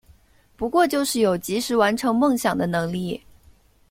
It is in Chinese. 不过就是有及时完成梦想的能力